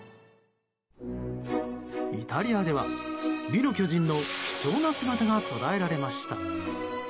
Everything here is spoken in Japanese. イタリアでは美の巨人の貴重な姿が捉えられました。